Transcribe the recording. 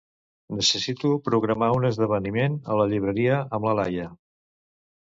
Necessito programar un esdeveniment a la llibreria amb la Laia.